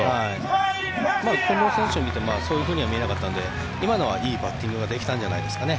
近藤選手を見てもそういうふうには見えなかったので今のは、いいバッティングができたんじゃないですかね